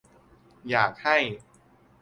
อยากให้